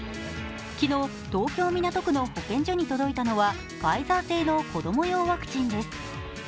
昨日、東京・港区の保健所に届いたのはファイザー製の子ども用ワクチンです。